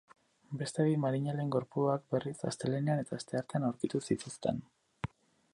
Beste bi marinelen gorpuak, berriz, astelehenean eta asteartean aurkitu zituzten.